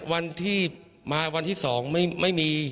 วันที่มาวันที่๒ไม่มี